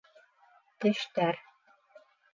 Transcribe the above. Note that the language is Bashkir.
Тештәр